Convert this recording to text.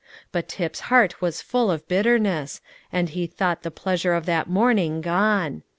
But Tip's heart was full of bitterness, and he thought the pleasure of that morning gone.